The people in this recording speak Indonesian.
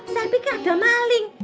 saya pikir ada maling